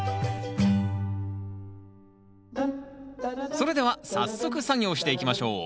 それでは早速作業していきましょう。